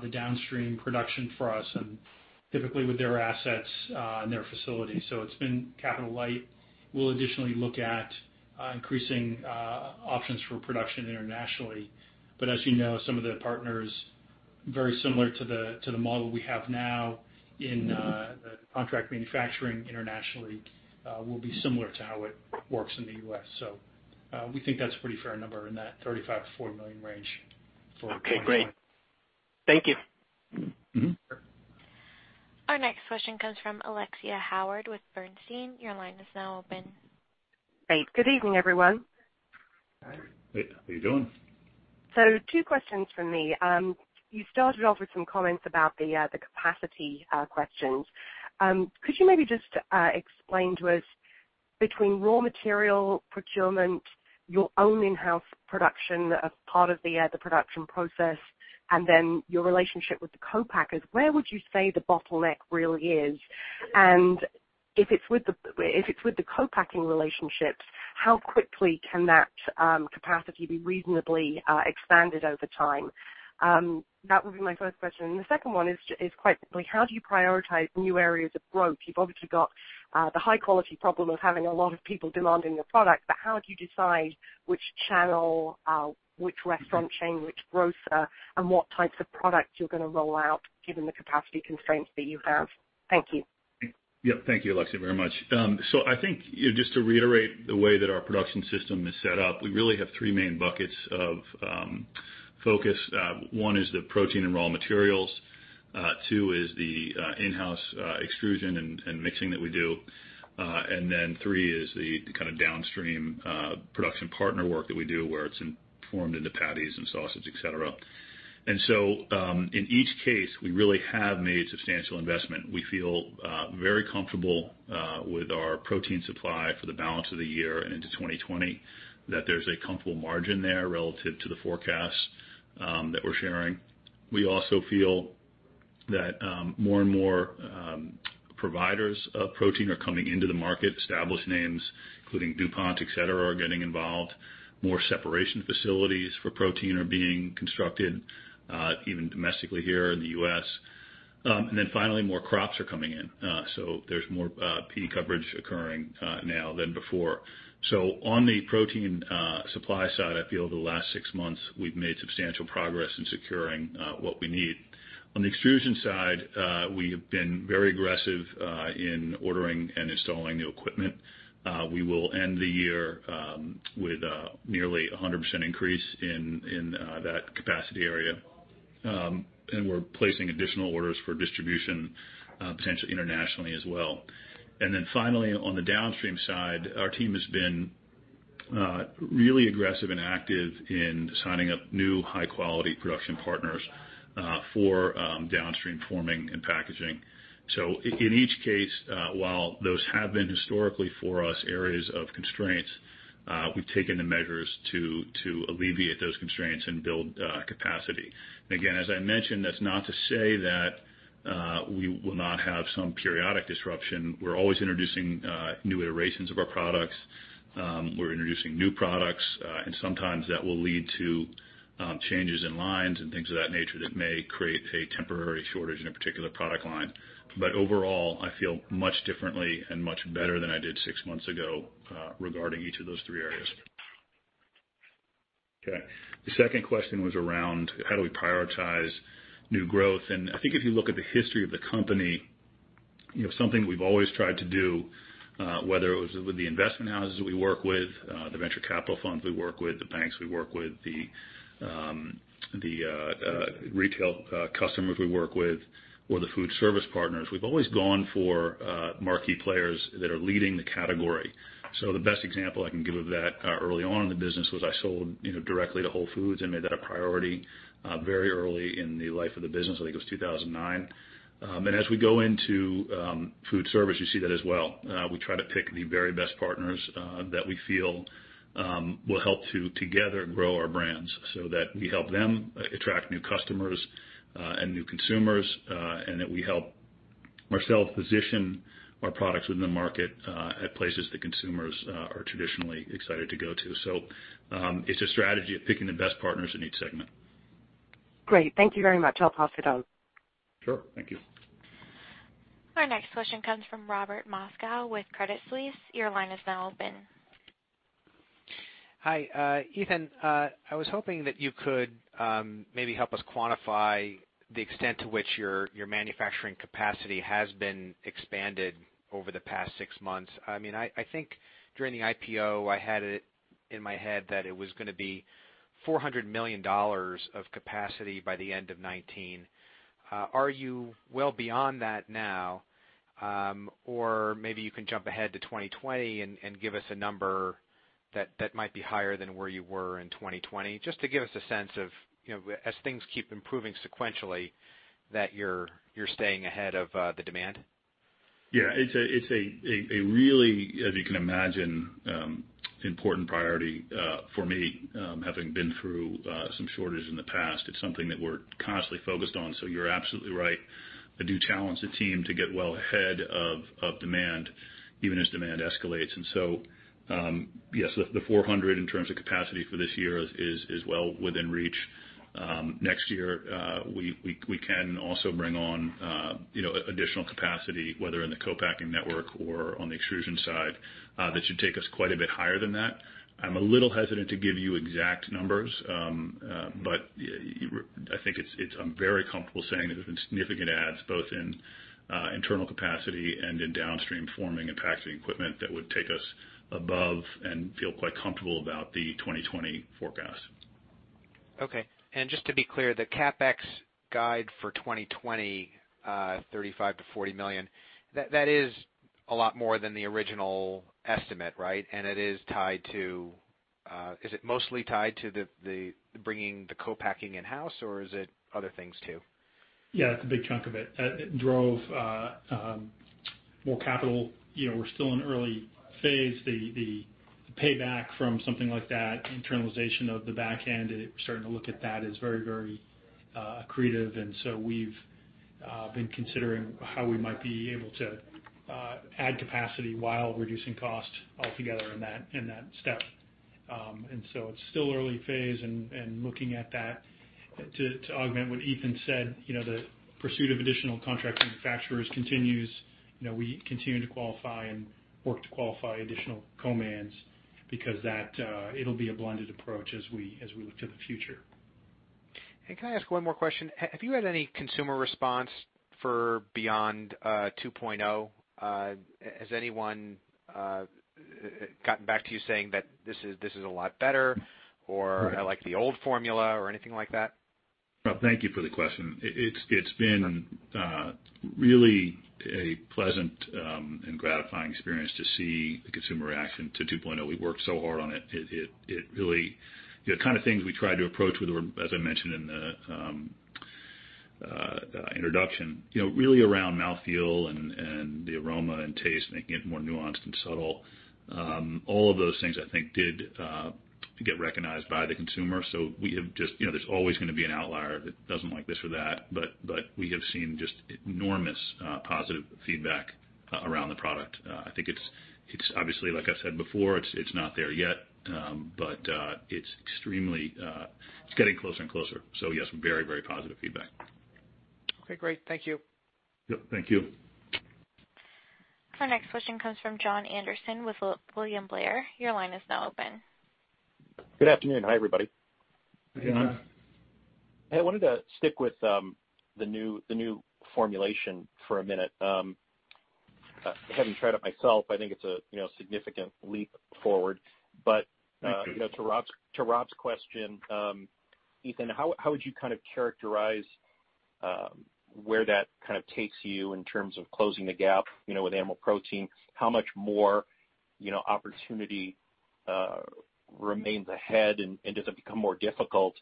the downstream production for us, and typically with their assets and their facilities. It's been capital light. We'll additionally look at increasing options for production internationally. As you know, some of the partners, very similar to the model we have now in the contract manufacturing internationally, will be similar to how it works in the U.S. We think that's a pretty fair number in that $35 million-$40 million range for 2020. Okay, great. Thank you. Sure. Our next question comes from Alexia Howard with Bernstein. Your line is now open. Great. Good evening, everyone. Hi. Hey. How you doing? Two questions from me. You started off with some comments about the capacity questions. Could you maybe just explain to us between raw material procurement, your own in-house production as part of the production process, and then your relationship with the co-packers, where would you say the bottleneck really is? If it's with the co-packing relationships, how quickly can that capacity be reasonably expanded over time? That would be my first question. The second one is quite simply, how do you prioritize new areas of growth? You've obviously got the high quality problem of having a lot of people demanding your product, how do you decide which channel, which restaurant chain, which grocer, and what types of products you're going to roll out given the capacity constraints that you have? Thank you. Yep. Thank you, Alexia, very much. I think, just to reiterate the way that our production system is set up, we really have three main buckets of focus. One is the protein and raw materials, two is the in-house extrusion and mixing that we do, and then three is the kind of downstream production partner work that we do where it's formed into patties and sausage, et cetera. In each case, we really have made substantial investment. We feel very comfortable with our protein supply for the balance of the year and into 2020, that there's a comfortable margin there relative to the forecast that we're sharing. We also feel that more and more providers of protein are coming into the market. Established names including DuPont, et cetera, are getting involved. More separation facilities for protein are being constructed, even domestically here in the U.S. More crops are coming in. There's more pea coverage occurring now than before. On the protein supply side, I feel the last six months we've made substantial progress in securing what we need. On the extrusion side, we have been very aggressive in ordering and installing new equipment. We will end the year with nearly 100% increase in that capacity area. We're placing additional orders for distribution, potentially internationally as well. On the downstream side, our team has been really aggressive and active in signing up new high-quality production partners for downstream forming and packaging. In each case, while those have been historically for us areas of constraints, we've taken the measures to alleviate those constraints and build capacity. Again, as I mentioned, that's not to say that we will not have some periodic disruption. We're always introducing new iterations of our products. We're introducing new products. Sometimes that will lead to changes in lines and things of that nature that may create a temporary shortage in a particular product line. Overall, I feel much differently and much better than I did six months ago regarding each of those three areas. Okay. The second question was around how do we prioritize new growth. I think if you look at the history of the company, something we've always tried to do, whether it was with the investment houses we work with, the venture capital funds we work with, the banks we work with, the retail customers we work with or the food service partners. We've always gone for marquee players that are leading the category. The best example I can give of that early on in the business was I sold directly to Whole Foods Market and made that a priority very early in the life of the business. I think it was 2009. As we go into food service, you see that as well. We try to pick the very best partners that we feel will help to together grow our brands so that we help them attract new customers and new consumers, and that we help ourselves position our products within the market at places that consumers are traditionally excited to go to. It's a strategy of picking the best partners in each segment. Great. Thank you very much. I'll pass it on. Sure. Thank you. Our next question comes from Robert Moskow with Credit Suisse. Your line is now open. Hi. Ethan, I was hoping that you could maybe help us quantify the extent to which your manufacturing capacity has been expanded over the past six months. I think during the IPO, I had it in my head that it was going to be $400 million of capacity by the end of 2019. Are you well beyond that now? Maybe you can jump ahead to 2020 and give us a number that might be higher than where you were in 2020. Just to give us a sense of, as things keep improving sequentially, that you're staying ahead of the demand. It's a really, as you can imagine, important priority for me, having been through some shortage in the past. It's something that we're constantly focused on. You're absolutely right. I do challenge the team to get well ahead of demand, even as demand escalates. Yes, the 400 in terms of capacity for this year is well within reach. Next year, we can also bring on additional capacity, whether in the co-packing network or on the extrusion side. That should take us quite a bit higher than that. I'm a little hesitant to give you exact numbers. I think I'm very comfortable saying that there's been significant adds both in internal capacity and in downstream forming and packaging equipment that would take us above and feel quite comfortable about the 2020 forecast. Okay. Just to be clear, the CapEx guide for 2020, $35 million-$40 million, that is a lot more than the original estimate, right? Is it mostly tied to the bringing the co-packing in-house, or is it other things, too? Yeah, that's a big chunk of it. It drove more capital. We're still in early phase. The payback from something like that internalization of the back end, starting to look at that as very accretive. We've been considering how we might be able to add capacity while reducing cost altogether in that step. It's still early phase and looking at that. To augment what Ethan said, the pursuit of additional contract manufacturers continues. We continue to qualify and work to qualify additional co-mans because it'll be a blended approach as we look to the future. Can I ask one more question? Have you had any consumer response for Beyond 2.0? Has anyone gotten back to you saying that this is a lot better, or I like the old formula or anything like that? Rob, thank you for the question. It's been really a pleasant and gratifying experience to see the consumer reaction to 2.0. We worked so hard on it. The kind of things we tried to approach with were, as I mentioned in the introduction, really around mouthfeel and the aroma and taste, making it more nuanced and subtle. All of those things I think did get recognized by the consumer. There's always going to be an outlier that doesn't like this or that, but we have seen just enormous positive feedback around the product. I think it's obviously, like I said before, it's not there yet. It's getting closer and closer. Yes, very positive feedback. Okay, great. Thank you. Yep, thank you. Our next question comes from Jon Andersen with William Blair. Your line is now open. Good afternoon. Hi, everybody. Good afternoon. Hi. I wanted to stick with the new formulation for a minute. I haven't tried it myself. I think it's a significant leap forward. Thank you. to Rob's question, Ethan, how would you characterize where that takes you in terms of closing the gap with animal protein? How much more opportunity remains ahead and does it become more difficult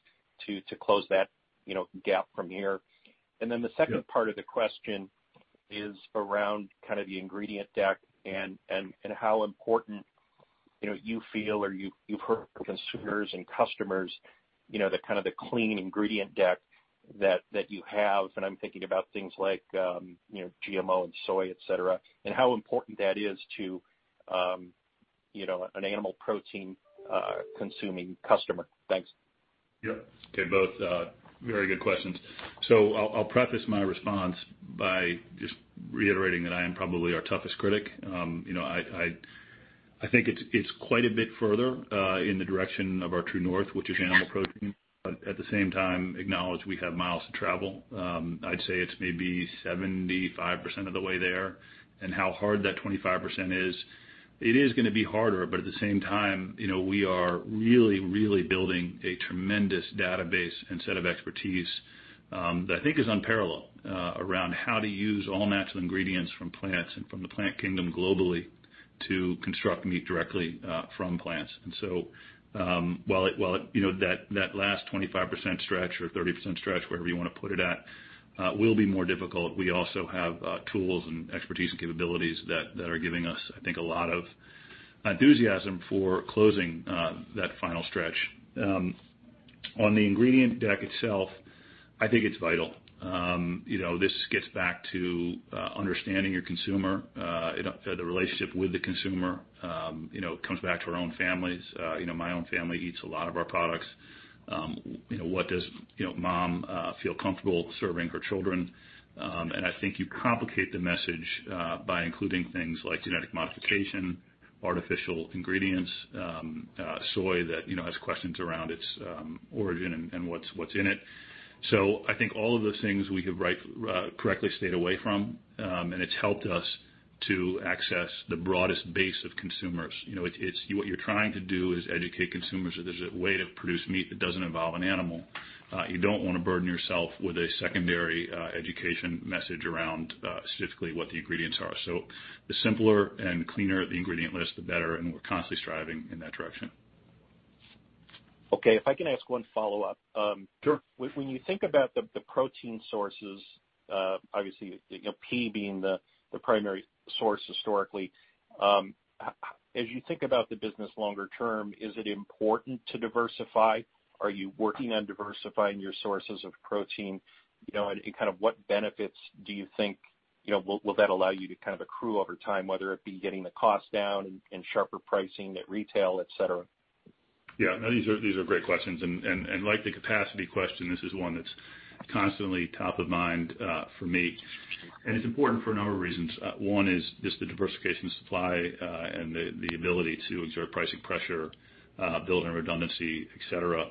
to close that gap from here? The second part of the question is around the ingredient deck and how important you feel or you've heard from consumers and customers the clean ingredient deck that you have, and I'm thinking about things like GMO and soy, et cetera, and how important that is to an animal protein consuming customer. Thanks. Yep. Okay. Both very good questions. I'll preface my response by just reiterating that I am probably our toughest critic. I think it's quite a bit further in the direction of our true north, which is animal protein. At the same time, acknowledge we have miles to travel. I'd say it's maybe 75% of the way there. How hard that 25% is, it is going to be harder. At the same time, we are really building a tremendous database and set of expertise that I think is unparalleled around how to use all-natural ingredients from plants and from the plant kingdom globally to construct meat directly from plants. While that last 25% stretch or 30% stretch, wherever you want to put it at, will be more difficult. We also have tools and expertise and capabilities that are giving us, I think, a lot of enthusiasm for closing that final stretch. On the ingredient deck itself, I think it's vital. This gets back to understanding your consumer, the relationship with the consumer. It comes back to our own families. My own family eats a lot of our products. What does mom feel comfortable serving her children? I think you complicate the message by including things like genetic modification, artificial ingredients, soy that has questions around its origin and what's in it. I think all of those things we have correctly stayed away from. It's helped us to access the broadest base of consumers. What you're trying to do is educate consumers that there's a way to produce meat that doesn't involve an animal. You don't want to burden yourself with a secondary education message around specifically what the ingredients are. The simpler and cleaner the ingredient list, the better, and we're constantly striving in that direction. Okay. If I can ask one follow-up. Sure. When you think about the protein sources, obviously, pea being the primary source historically. As you think about the business longer term, is it important to diversify? Are you working on diversifying your sources of protein? What benefits do you think will that allow you to accrue over time, whether it be getting the cost down and sharper pricing at retail, et cetera? Yeah, no, these are great questions. Like the capacity question, this is one that's constantly top of mind for me. It's important for a number of reasons. One is just the diversification of supply and the ability to exert pricing pressure, building redundancy, et cetera.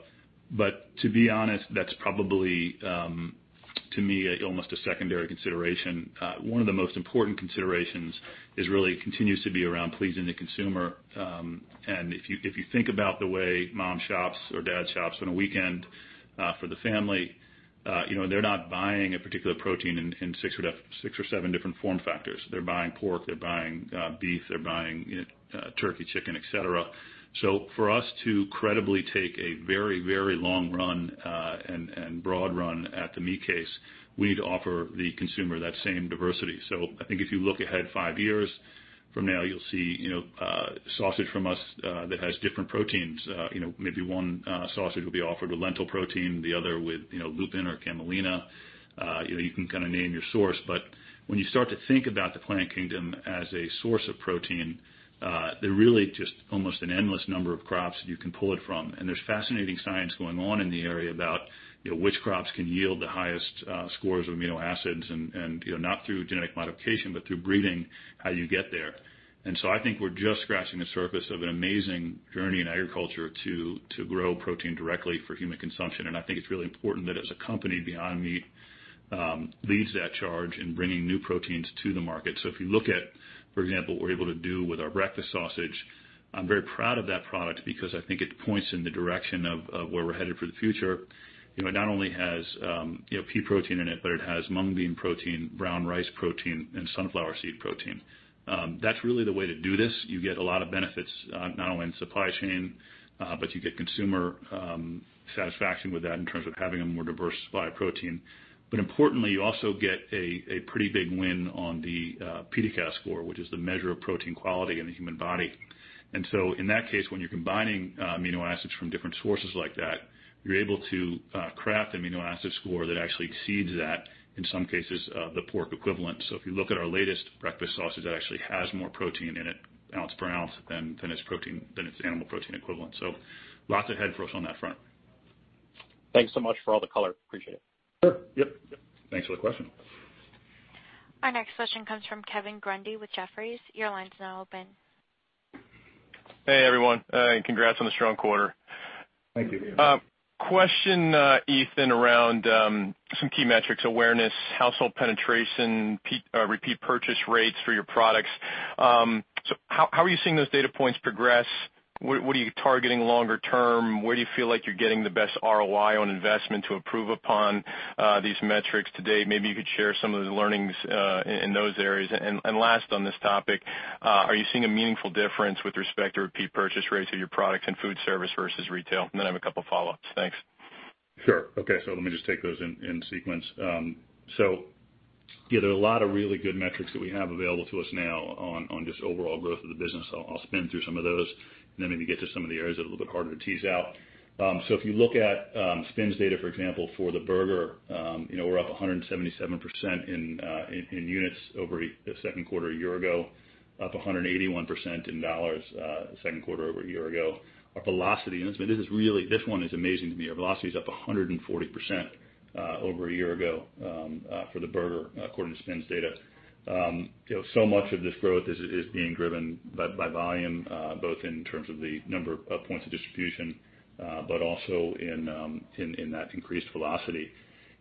To be honest, that's probably, to me, almost a secondary consideration. One of the most important considerations really continues to be around pleasing the consumer. If you think about the way mom shops or dad shops on a weekend for the family. They're not buying a particular protein in six or seven different form factors. They're buying pork, they're buying beef, they're buying turkey, chicken, et cetera. For us to credibly take a very long run and broad run at the meat case, we need to offer the consumer that same diversity. I think if you look ahead five years from now, you'll see sausage from us that has different proteins. Maybe one sausage will be offered with lentil protein, the other with lupin or camelina. You can name your source, but when you start to think about the plant kingdom as a source of protein, there are really just almost an endless number of crops that you can pull it from. There's fascinating science going on in the area about which crops can yield the highest scores of amino acids and, not through genetic modification, but through breeding, how you get there. I think we're just scratching the surface of an amazing journey in agriculture to grow protein directly for human consumption. I think it's really important that as a company, Beyond Meat leads that charge in bringing new proteins to the market. If you look at, for example, what we're able to do with our Beyond Breakfast Sausage, I'm very proud of that product because I think it points in the direction of where we're headed for the future. It not only has pea protein in it, but it has mung bean protein, brown rice protein, and sunflower seed protein. That's really the way to do this. You get a lot of benefits, not only in supply chain, but you get consumer satisfaction with that in terms of having a more diverse supply of protein. Importantly, you also get a pretty big win on the PDCAAS score, which is the measure of protein quality in the human body. In that case, when you're combining amino acids from different sources like that, you're able to craft amino acid score that actually exceeds that, in some cases, of the pork equivalent. If you look at our latest breakfast sausage, it actually has more protein in it ounce per ounce than its animal protein equivalent. Lots ahead for us on that front. Thanks so much for all the color. Appreciate it. Sure. Yep. Thanks for the question. Our next question comes from Kevin Grundy with Jefferies. Your line's now open. Hey, everyone, and congrats on the strong quarter. Thank you. Question, Ethan, around some key metrics, awareness, household penetration, repeat purchase rates for your products. How are you seeing those data points progress? What are you targeting longer term? Where do you feel like you're getting the best ROI on investment to improve upon these metrics today? Maybe you could share some of the learnings in those areas. Last on this topic, are you seeing a meaningful difference with respect to repeat purchase rates of your products in food service versus retail? Then I have a couple of follow-ups. Thanks. Sure. Okay. Let me just take those in sequence. Yeah, there are a lot of really good metrics that we have available to us now on just overall growth of the business. I'll spin through some of those and then maybe get to some of the areas that are a little bit harder to tease out. If you look at SPINS data, for example, for the burger, we're up 177% in units over the second quarter a year ago, up 181% in dollars, second quarter over a year ago. Our velocity, and this one is amazing to me. Our velocity is up 140% over a year ago for the burger, according to SPINS data. Much of this growth is being driven by volume, both in terms of the number of points of distribution, but also in that increased velocity.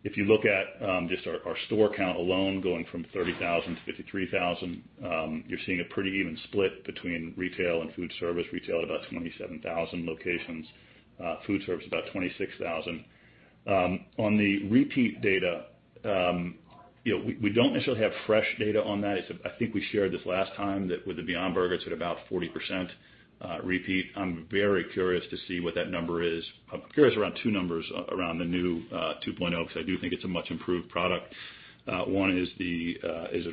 If you look at just our store count alone, going from 30,000-53,000, you're seeing a pretty even split between retail and food service. Retail at about 27,000 locations, food service about 26,000. On the repeat data, we don't necessarily have fresh data on that. I think we shared this last time that with the Beyond Burger, it's at about 40% repeat. I'm very curious to see what that number is. I'm curious around two numbers around the new 2.0, because I do think it's a much-improved product. One is the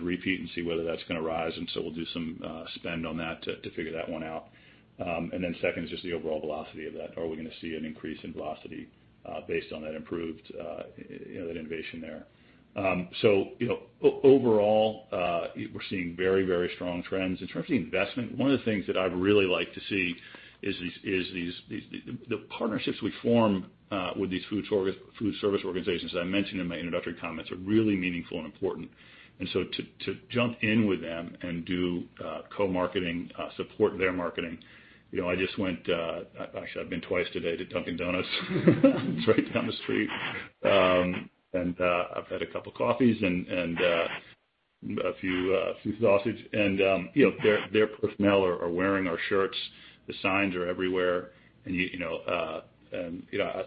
repeat, and see whether that's going to rise, and so we'll do some spend on that to figure that one out. Second is just the overall velocity of that. Are we going to see an increase in velocity based on that improved innovation there? Overall, we're seeing very strong trends. In terms of the investment, one of the things that I really like to see is the partnerships we form with these food service organizations that I mentioned in my introductory comments, are really meaningful and important. To jump in with them and do co-marketing, support their marketing. Actually, I've been twice today to Dunkin' it's right down the street, and I've had a couple coffees and a few sausages. Their personnel are wearing our shirts. The signs are everywhere. I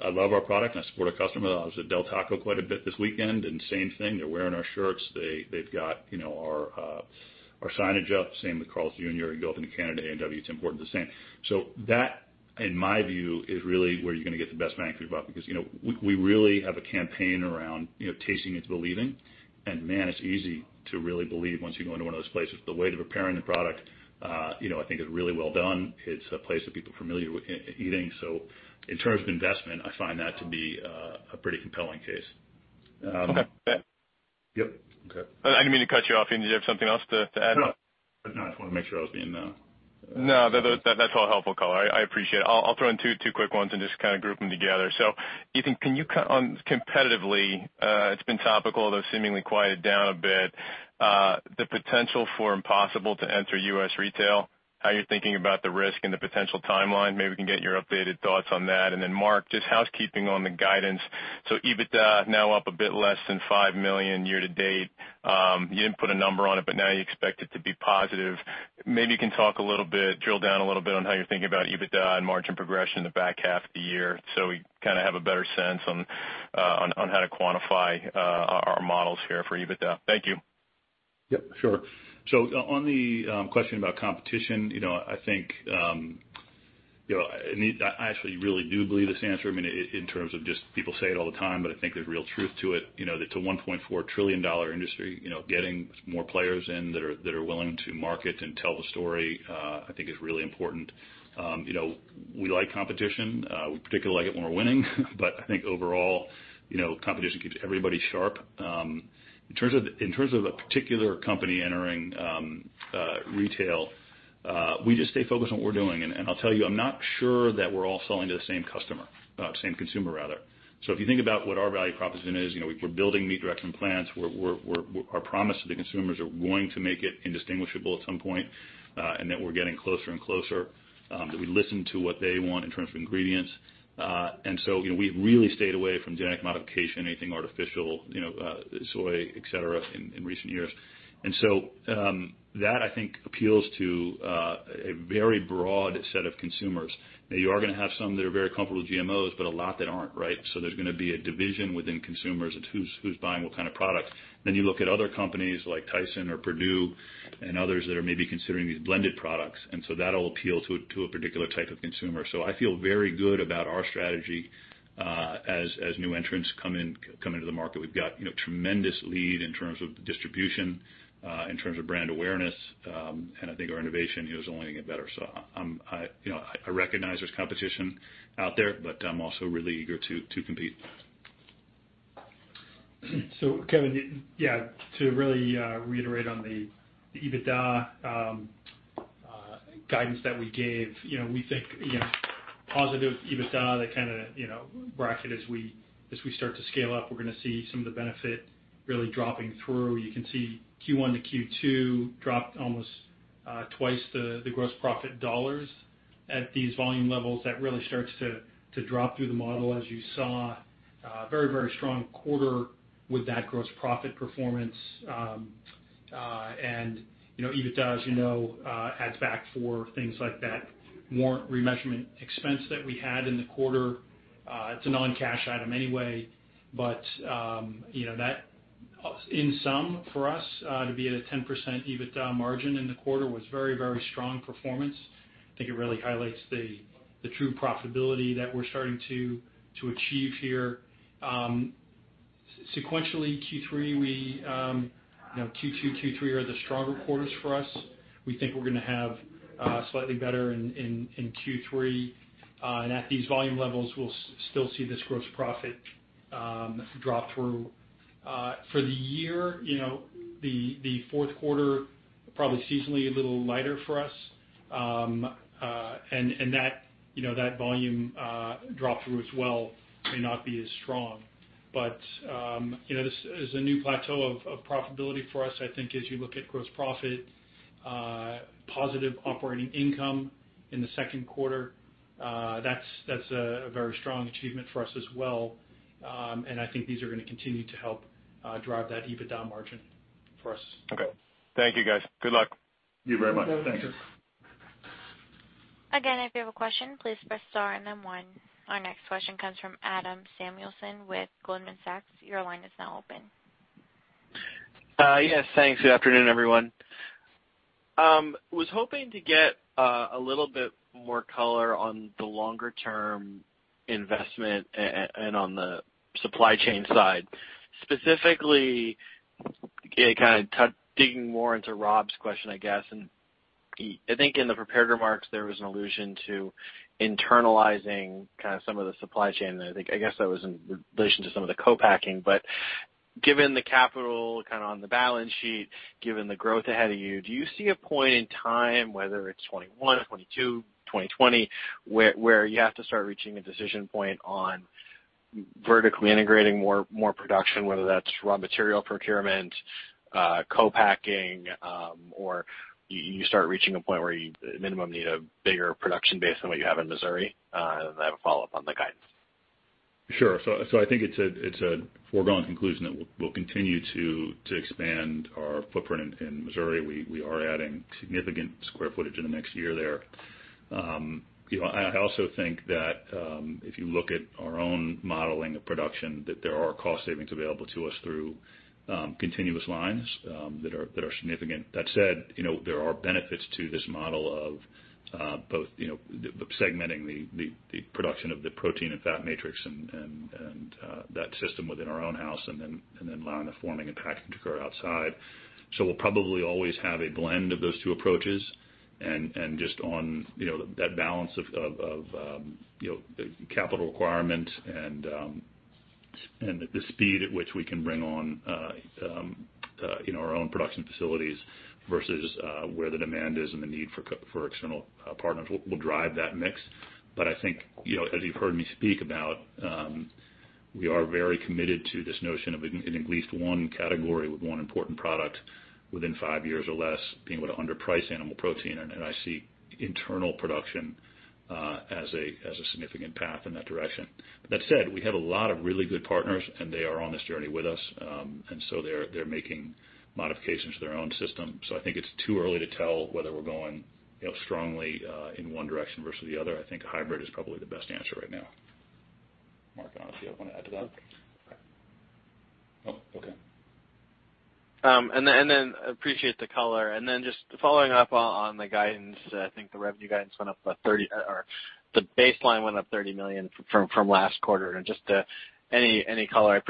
love our product, and I support our customer. I was at Del Taco quite a bit this weekend, same thing. They're wearing our shirts. They've got our signage up. Same with Carl's Jr. You go up into Canada, A&W, it's important, the same. That, in my view, is really where you're going to get the best bang for your buck, because we really have a campaign around tasting is believing. Man, it's easy to really believe once you go into one of those places. The way they're preparing the product I think is really well done. It's a place that people are familiar with eating. In terms of investment, I find that to be a pretty compelling case. Okay, bet. Yep. Okay. I didn't mean to cut you off. Did you have something else to add? No. Just wanted to make sure I was being. That's all helpful color. I appreciate it. I will throw in two quick ones and just group them together. Ethan, can you comment on, competitively, it has been topical, although seemingly quieted down a bit, the potential for Impossible to enter U.S. retail, how you are thinking about the risk and the potential timeline? Maybe we can get your updated thoughts on that. Mark, just housekeeping on the guidance. EBITDA now up a bit less than $5 million year-to-date. You did not put a number on it, now you expect it to be positive. Maybe you can talk a little bit, drill down a little bit on how you are thinking about EBITDA and margin progression in the back half of the year so we have a better sense on how to quantify our models here for EBITDA. Thank you. Yep, sure. On the question about competition, I actually really do believe this answer in terms of just people say it all the time, but I think there's real truth to it, that it's a $1.4 trillion industry. Getting more players in that are willing to market and tell the story, I think is really important. We like competition. We particularly like it when we're winning but I think overall, competition keeps everybody sharp. In terms of a particular company entering retail, we just stay focused on what we're doing. I'll tell you, I'm not sure that we're all selling to the same customer. Same consumer, rather. If you think about what our value proposition is, we're building meat-direction plants, our promise to the consumers are going to make it indistinguishable at some point, and that we're getting closer and closer. We listen to what they want in terms of ingredients. We've really stayed away from genetic modification, anything artificial, soy, et cetera, in recent years. That I think appeals to a very broad set of consumers. Now, you are going to have some that are very comfortable with GMOs, but a lot that aren't. There's going to be a division within consumers of who's buying what kind of product. You look at other companies like Tyson or Perdue and others that are maybe considering these blended products, and so that'll appeal to a particular type of consumer. I feel very good about our strategy as new entrants come into the market. We've got tremendous lead in terms of distribution, in terms of brand awareness, and I think our innovation is only going to get better. I recognize there's competition out there, but I'm also really eager to compete. Kevin, to really reiterate on the EBITDA guidance that we gave. We think positive EBITDA, that kind of bracket as we start to scale up, we're going to see some of the benefit really dropping through. You can see Q1-Q2 dropped almost twice the gross profit dollars at these volume levels. That really starts to drop through the model as you saw. A very strong quarter with that gross profit performance. EBITDA, as you know, adds back for things like that warrant remeasurement expense that we had in the quarter. It's a non-cash item anyway, but that in sum for us, to be at a 10% EBITDA margin in the quarter was very strong performance. I think it really highlights the true profitability that we're starting to achieve here. Sequentially Q2, Q3 are the stronger quarters for us. We think we're going to have slightly better in Q3. At these volume levels, we'll still see this gross profit drop through. For the year, the fourth quarter, probably seasonally a little lighter for us. That volume drop through as well may not be as strong. This is a new plateau of profitability for us. I think as you look at gross profit, positive operating income in the second quarter, that's a very strong achievement for us as well. I think these are going to continue to help drive that EBITDA margin for us. Okay. Thank you, guys. Good luck. Thank you. Thank you very much. Thanks. Again, if you have a question, please press star and then one. Our next question comes from Adam Samuelson with Goldman Sachs. Your line is now open. Yes, thanks. Good afternoon, everyone. Was hoping to get a little bit more color on the longer-term investment and on the supply chain side. Specifically, digging more into Rob's question, I guess, and I think in the prepared remarks, there was an allusion to internalizing some of the supply chain there. I guess that was in relation to some of the co-packing. Given the capital on the balance sheet, given the growth ahead of you, do you see a point in time, whether it's 2021, 2022, 2020, where you have to start reaching a decision point on vertically integrating more production, whether that's raw material procurement, co-packing, or you start reaching a point where you minimum need a bigger production base than what you have in Missouri? Then I have a follow-up on the guidance. Sure. I think it's a foregone conclusion that we'll continue to expand our footprint in Missouri. We are adding significant square footage in the next year there. I also think that if you look at our own modeling of production, that there are cost savings available to us through continuous lines that are significant. That said, there are benefits to this model of both segmenting the production of the protein and fat matrix and that system within our own house, and then allowing the forming and packaging to occur outside. We'll probably always have a blend of those two approaches. Just on that balance of the capital requirement and the speed at which we can bring on our own production facilities versus where the demand is and the need for external partners will drive that mix. I think as you've heard me speak about, we are very committed to this notion of in at least one category with one important product within five years or less being able to underprice animal protein, and I see internal production as a significant path in that direction. That said, we have a lot of really good partners, and they are on this journey with us. They're making modifications to their own system. I think it's too early to tell whether we're going strongly in one direction versus the other. I think a hybrid is probably the best answer right now. Mark, I don't know if you want to add to that? No. No?. Okay. Appreciate the color. Just following up on the guidance, I think the revenue guidance went up, or the baseline went up $30 million from last quarter. Just any color.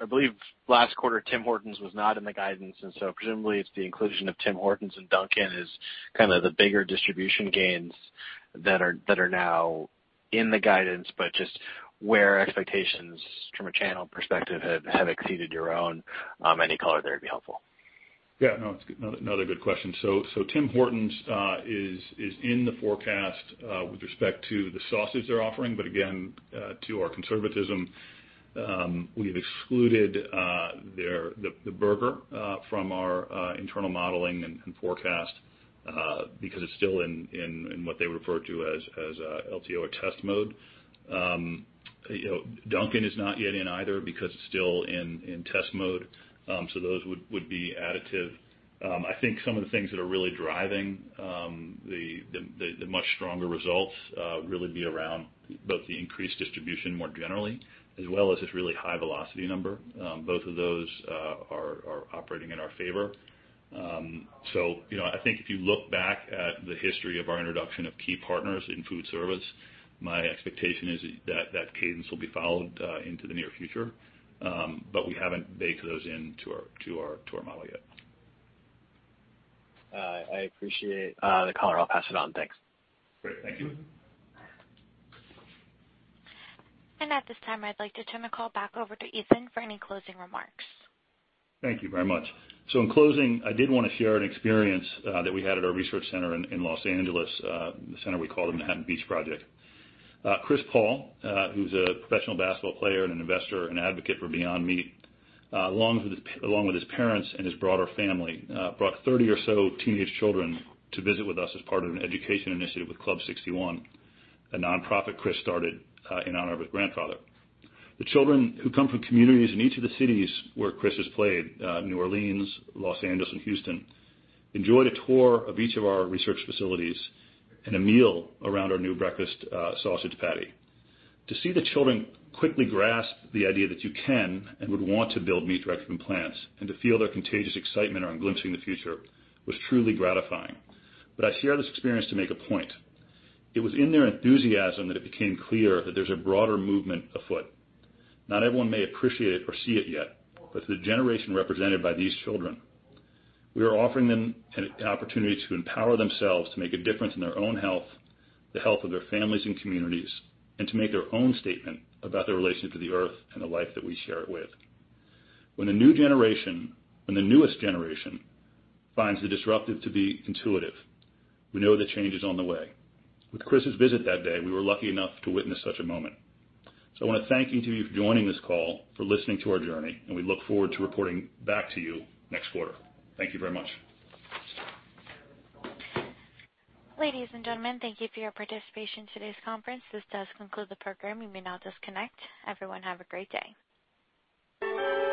I believe last quarter Tim Hortons was not in the guidance, presumably it's the inclusion of Tim Hortons and Dunkin' as kind of the bigger distribution gains that are now in the guidance, just where expectations from a channel perspective have exceeded your own. Any color there would be helpful. Yeah, no, it's another good question. Tim Hortons is in the forecast with respect to the sausage they're offering. Again, to our conservatism, we've excluded the burger from our internal modeling and forecast because it's still in what they refer to as LTO or test mode. Dunkin' is not yet in either because it's still in test mode. Those would be additive. I think some of the things that are really driving the much stronger results really be around both the increased distribution more generally, as well as this really high velocity number. Both of those are operating in our favor. I think if you look back at the history of our introduction of key partners in food service, my expectation is that that cadence will be followed into the near future. We haven't baked those into our model yet. I appreciate the color. I'll pass it on. Thanks. Great. Thank you. At this time, I'd like to turn the call back over to Ethan for any closing remarks. Thank you very much. In closing, I did want to share an experience that we had at our research center in Los Angeles, the center we call the Manhattan Beach Project. Chris Paul, who's a professional basketball player and an investor and advocate for Beyond Meat, along with his parents and his broader family, brought 30 or so teenage children to visit with us as part of an education initiative with Club 61, a nonprofit Chris started in honor of his grandfather. The children, who come from communities in each of the cities where Chris has played, New Orleans, Los Angeles, and Houston, enjoyed a tour of each of our research facilities and a meal around our new breakfast sausage patty. To see the children quickly grasp the idea that you can and would want to build meat directly from plants and to feel their contagious excitement around glimpsing the future was truly gratifying. I share this experience to make a point. It was in their enthusiasm that it became clear that there's a broader movement afoot. Not everyone may appreciate it or see it yet, but to the generation represented by these children, we are offering them an opportunity to empower themselves to make a difference in their own health, the health of their families and communities, and to make their own statement about their relationship to the Earth and the life that we share it with. When the newest generation finds the disruptive to be intuitive, we know that change is on the way. With Chris's visit that day, we were lucky enough to witness such a moment. I want to thank each of you for joining this call, for listening to our journey, and we look forward to reporting back to you next quarter. Thank you very much. Ladies and gentlemen, thank you for your participation in today's conference. This does conclude the program. You may now disconnect. Everyone, have a great day.